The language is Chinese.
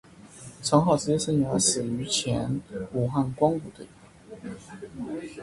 陈浩职业生涯始于前武汉光谷队。